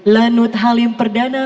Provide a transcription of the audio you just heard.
lanut halim perdana